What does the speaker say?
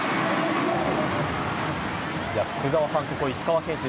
福澤さん、ここ石川選手